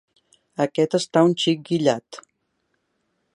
Aquest està un xic guillat.